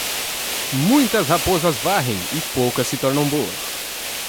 Muitas raposas varrem e poucas se tornam boas.